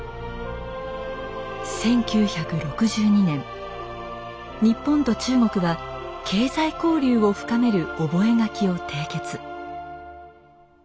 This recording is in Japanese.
１９６２年日本と中国は経済交流を深める覚書を締結。